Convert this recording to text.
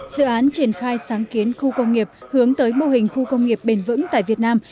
dự án triển khai sáng kiến khu công nghiệp hướng tới mô hình khu công nghiệp bền vững tại việt nam